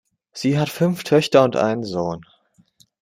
Sie hat fünf Töchter und einen Sohn.